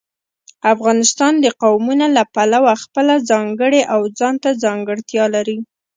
افغانستان د قومونه له پلوه خپله ځانګړې او ځانته ځانګړتیا لري.